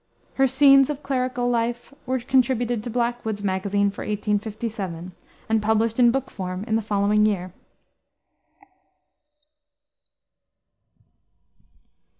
Her Scenes of Clerical Life were contributed to Blackwood's Magazine for 1857, and published in book form in the following year.